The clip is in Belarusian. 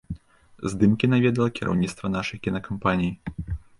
Здымкі наведала кіраўніцтва нашай кінакампаніі.